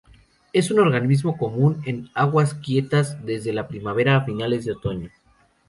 Es un organismo común en aguas quietas desde la primavera a finales de otoño.